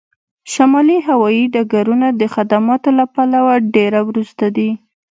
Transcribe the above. شمالي هوایی ډګرونه د خدماتو له پلوه ډیر وروسته دي